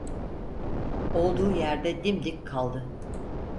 Olduğu yerde dimdik kaldı.